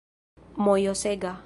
mojosega